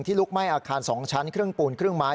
ที่ลุกไหม้อาคาร๒ชั้นเครื่องปูนเครื่องไม้